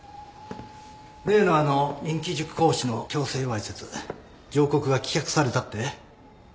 例のあの人気塾講師の強制わいせつ上告が棄却されたって？